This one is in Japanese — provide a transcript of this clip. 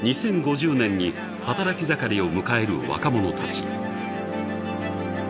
２０５０年に働き盛りを迎える若者たち。